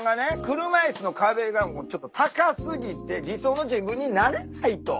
車いすの壁がちょっと高すぎて理想の自分になれないと。